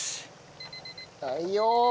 はいよ！